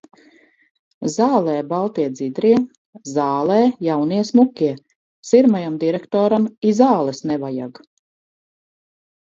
Zālē baltie dzidrie, zālē jaunie smukie, sirmajam direktoram i zāles nevajag.